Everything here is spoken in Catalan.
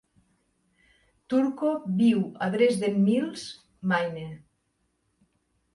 Turco viu a Dresden Mills, Maine.